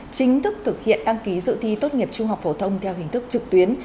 chính thức thực hiện đăng ký dự thi tốt nghiệp trung học phổ thông theo hình thức trực tuyến